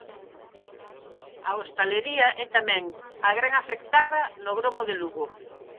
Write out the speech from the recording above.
A hostalería é tamén a gran afectada no gromo de Lugo.